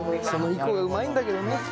その以降がうまいんだけどね。